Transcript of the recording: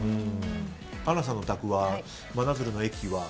アンナさんのお宅は真鶴の駅は？